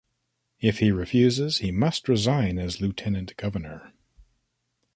If he refuses, he must resign as Lieutenant Governor.